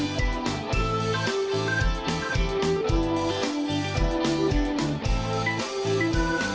สวัสดีค่ะ